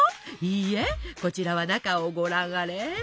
いいえこちらは中をご覧あれ！